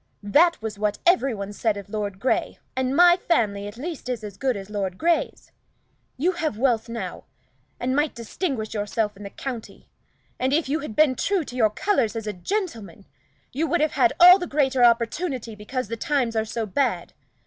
That was what every one said of Lord Grey, and my family at least is as good as Lord Grey's. You have wealth now, and might distinguish yourself in the county; and if you had been true to your colors as a gentleman, you would have had all the greater opportunity, because the times are so bad.